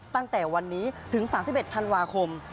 ตั้งแต่วันนี้ถึง๓๑ธันวาคม